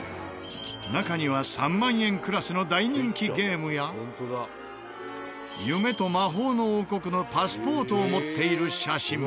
中には３万円クラスの大人気ゲームや夢と魔法の王国のパスポートを持っている写真も。